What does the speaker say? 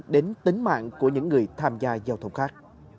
đến tính mạng của những người tham gia giao thông khác